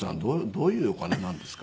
どういうお金なんですか？